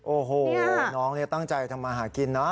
โอ้โหน้องตั้งใจทำมาหากินนะ